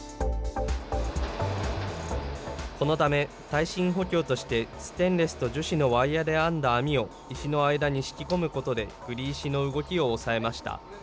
このため、耐震補強として、ステンレスと樹脂のワイヤで編んだ網を石の間に敷き込むことで、栗石の動きを抑えました。